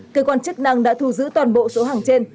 cơ quan chức năng đã thu giữ toàn bộ số hàng trên